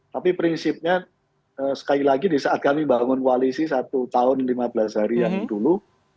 tapi prinsipnya sekali lagi di saat kami bangun koalisi satu tahun lima belas hari yang dulu